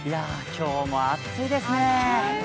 今日も暑いですね。